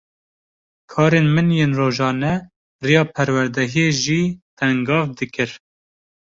Karên min yên rojane, riya perwerdehiyê jî tengav dikir